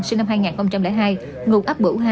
sinh năm hai nghìn hai ngục áp bữu hai